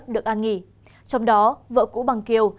được an nghỉ trong đó vợ cũ bằng kiều